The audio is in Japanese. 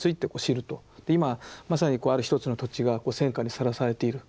今まさにある一つの土地が戦火にさらされている。